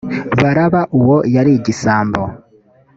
baraba uwo yari igisambo